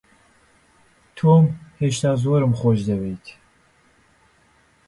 تۆم، هێشتا زۆرم خۆش دەوێیت.